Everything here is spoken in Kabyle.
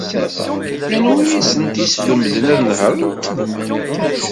Anwa ay asent-yeslemden ad nehṛent?